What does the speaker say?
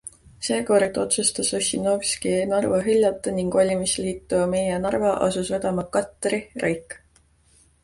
Seekord otsustas Ossinovski Narva hüljata, ning valimisliitu Meie Narva asus vedama Katri Raik.